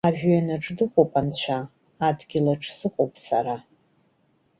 Ажәҩанаҿ дыҟоуп анцәа, адгьылаҿ сыҟоуп сара!